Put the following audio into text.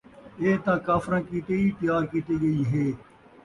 ۔ ایہ تاں کافراں کِیتے ای تیار کیتی ڳئی ہے ۔